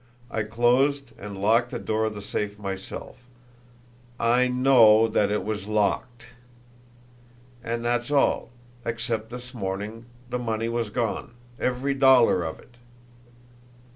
I closed and locked the door of the safe myself; I know that it was locked. And that's all, except this morning the money was gone every dollar of it."